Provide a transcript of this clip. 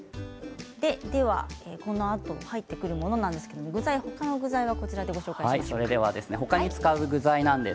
このあとに入ってくるものなんですが他の具材はこちらでご紹介します。